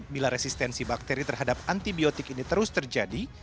bila resistensi bakteri terhadap antibiotik ini terus terjadi